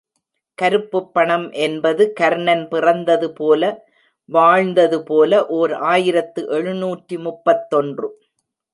கருப்புப்பணம் என்பது கர்ணன் பிறந்தது போல வாழ்ந்தது போல ஓர் ஆயிரத்து எழுநூற்று முப்பத்தொன்று.